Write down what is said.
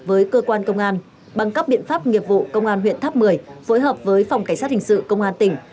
với cơ quan công an bằng các biện pháp nghiệp vụ công an huyện tháp một mươi phối hợp với phòng cảnh sát hình sự công an tỉnh